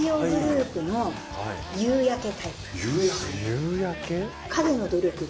夕焼け？